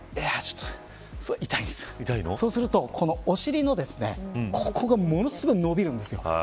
こうするとお尻のここがものすごい伸びるんですよ。